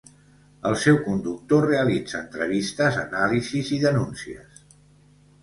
El seu conductor realitza entrevistes, anàlisis i denúncies.